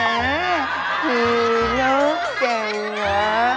เอาออกมาเอาออกมาเอาออกมา